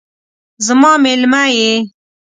زما میلمه یې